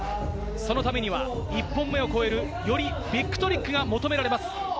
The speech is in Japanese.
そのためには１本目を超える、よりビッグトリックが求められます。